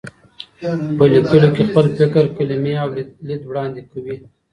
په لیکلو کې خپل فکر، کلمې او لید وړاندې کوي.